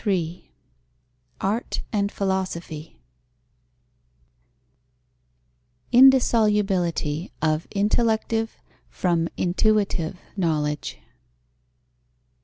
III ART AND PHILOSOPHY _Indissolubility of intellective from intuitive knowledge.